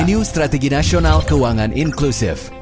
venue strategi nasional keuangan inklusif